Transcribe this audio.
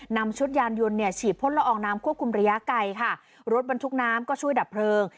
นำชุดยานยนต์เนี่ยฉีดพ่นละอองน้ำควบคุมระยะไกลค่ะรถบรรทุกน้ำก็ช่วยดับเพลิง